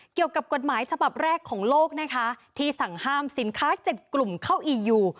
เกี่ยวกับกฎหมายฉบับแรกของโลกนะคะที่สั่งห้ามสินค้า๗กลุ่มเข้าอียู